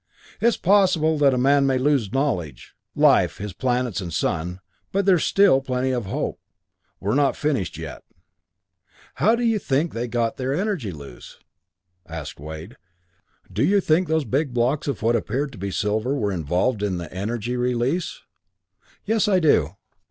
"It's possible that man may lose knowledge, life, his planets and sun but there's still plenty of hope. We're not finished yet." "How do you think they got their energy loose?" asked Wade. "Do you think those big blocks of what appeared to be silver were involved in the energy release?" "Yes, I do.